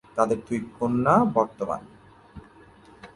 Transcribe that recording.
তাদের দুই কন্যা বর্তমান।